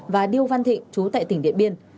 và điêu văn thịnh chú tại tỉnh điện biên